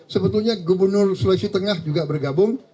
sebetulnya gubernur sulawesi tengah juga bergabung